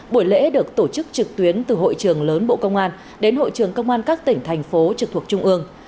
buổi lễ được tổ chức trực tuyến từ hội trường lớn bộ công an đến hội trường công an các tỉnh thành phố trực thuộc trung ương